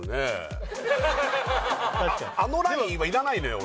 あのラインは要らないのよ